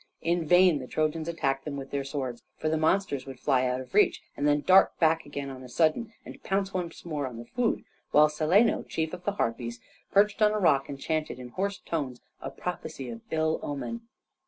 In vain the Trojans attacked them with their swords, for the monsters would fly out of reach, and then dart back again on a sudden, and pounce once more on the food, while Celæno, chief of the Harpies, perched on a rock and chanted in hoarse tones a prophecy of ill omen.